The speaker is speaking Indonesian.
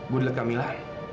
gue diliat kamilah